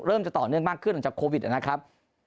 จะต่อเนื่องมากขึ้นหลังจากโควิดนะครับ